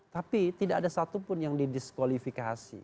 tapi tidak ada satupun yang didiskualifikasi